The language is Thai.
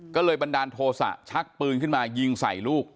ก็เลยบันดาลโทษะชักปืนขึ้นมายิงใส่ลูก